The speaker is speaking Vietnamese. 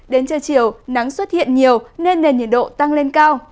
đến trưa chiều nắng xuất hiện nhiều nên nền nhiệt độ tăng lên cao